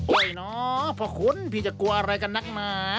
โอ๊ยน้อพระขุนพี่จะกลัวอะไรกับนักหมา